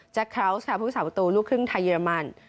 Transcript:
คราวส์ค่ะผู้สาวประตูลูกครึ่งไทยเยอรมัน